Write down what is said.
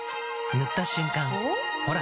塗った瞬間おっ？